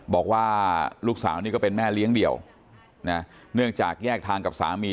บอกว่าลูกสาวนี่ก็เป็นแม่เลี้ยงเดี่ยวนะเนื่องจากแยกทางกับสามี